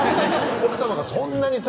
奥さまがそんなにさ